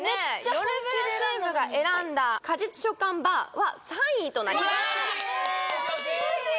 よるブラチームが選んだ果実食感バーは３位となります惜しい！